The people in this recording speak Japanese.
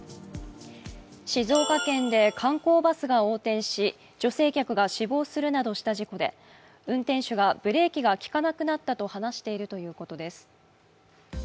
静岡県で観光バスが横転し女性客が死亡するなどした事故で運転手がブレーキが利かなくなったと話しているということです。